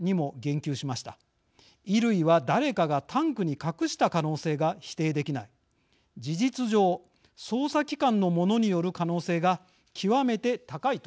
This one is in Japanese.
衣類は誰かがタンクに隠した可能性が否定できない事実上捜査機関の者による可能性が極めて高いとしたのです。